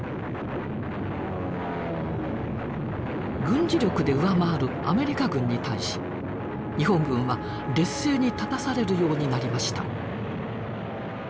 軍事力で上回るアメリカ軍に対し日本軍は劣勢に立たされるようになりました。